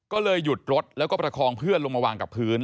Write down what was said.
ก็เลยหยุดรถแล้วก็ประคองเพื่อนลงมาวางกับพื้น